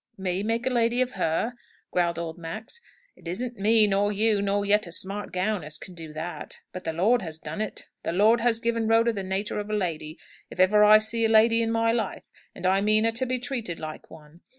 "Me make a lady of her?" growled old Max. "It isn't me, nor you, nor yet a smart gown, as can do that. But the Lord has done it. The Lord has given Rhoda the natur' of a lady, if ever I see a lady in my life; and I mean her to be treated like one.